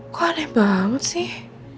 kok aneh banget sih